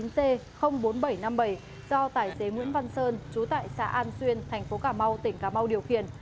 do tài xế nguyễn văn sơn chú tại xã an xuyên thành phố cà mau tỉnh cà mau điều khiển